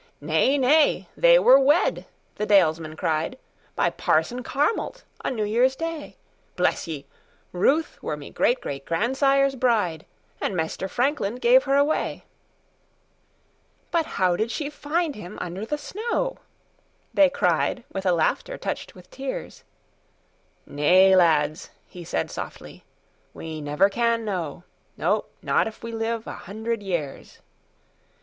"Nay, nay, they were wed!" the dalesman cried,"By Parson Carmalt o' New Year's Day; Bless ye! Ruth were me great great grandsire's bride, And Maister Frankland gave her away.""But how did she find him under the snow?"They cried with a laughter touched with tears."Nay, lads," he said softly, "we never can know—"No, not if we live a hundred years.